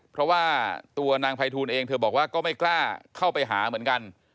เพราะว่าตัวนางไพทูลเองเธอบอกว่าก็ไม่กล้าเข้าไปหาเหมือนกัน